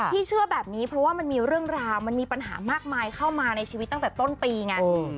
เชื่อแบบนี้เพราะว่ามันมีเรื่องราวมันมีปัญหามากมายเข้ามาในชีวิตตั้งแต่ต้นปีไง